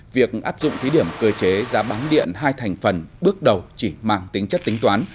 việc áp dụng thí điểm cơ chế giá bán điện hai thành phần bước đầu chỉ mang tính chất tính toán